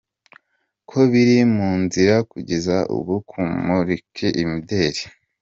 ko biri mu nzira Kugeza ubu kumurika imideli.